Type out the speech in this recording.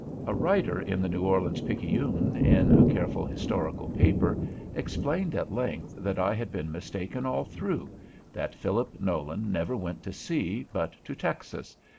A writer in the "New Orleans Picayune," in a careful historical paper, explained at length that I had been mistaken all the way through, that Philip Nolan never went to sea, but to Texas.